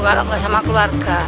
kalau nggak sama keluarga